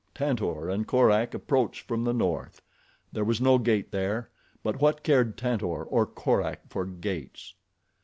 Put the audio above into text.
Tantor and Korak approached from the north. There was no gate there; but what cared Tantor or Korak for gates.